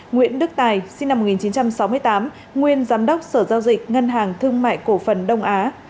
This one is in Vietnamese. nguyễn đức tài sinh năm một nghìn chín trăm sáu mươi tám nguyên giám đốc sở giao dịch ngân hàng thương mại cổ phần đông á